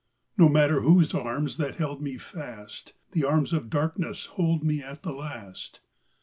No matter whose the arms that held me fast, The arms of Darkness hold me at the last.